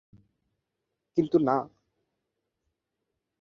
কিন্তু না।